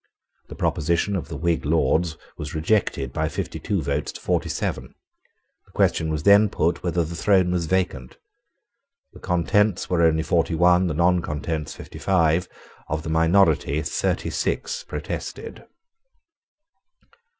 The proposition of the Whig Lords was rejected by fifty two votes to forty seven. The question was then put whether the throne was vacant. The contents were only forty one: the noncontents fifty five. Of the minority thirty six protested.